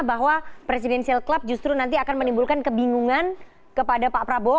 bahwa presidensial club justru nanti akan menimbulkan kebingungan kepada pak prabowo